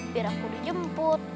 biar aku dijemput